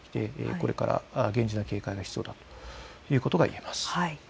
これから厳重な警戒が必要ということがいえます。